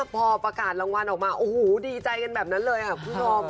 พอประกาศรางวัลออกมาโอ้โหดีใจกันแบบนั้นเลยค่ะคุณผู้ชม